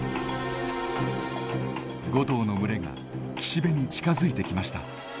５頭の群れが岸辺に近づいてきました。